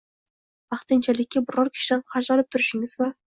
vaqtinchalikka biror kishidan qarz olib turishingiz va